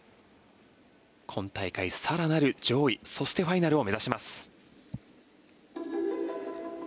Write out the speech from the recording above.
今大会更なる上位そしてファイナルを目指します。